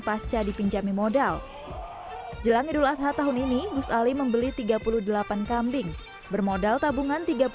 pasca dipinjami modal jelang idul adha tahun ini gus ali membeli tiga puluh delapan kambing bermodal tabungan